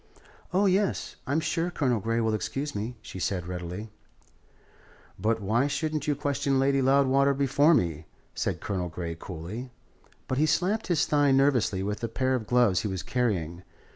"Oh, yes. I'm sure Colonel Grey will excuse me," she said readily. "But why shouldn't you question Lady Loudwater before me?" said Colonel Grey coolly; but he slapped his thigh nervously with the pair of gloves he was carrying.